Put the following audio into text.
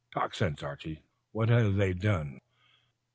"Talk sense, Archie. What have they done?